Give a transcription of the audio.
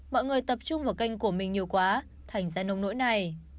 mọi người tập trung vào kênh của mình nhiều quá thành gia nông nỗi này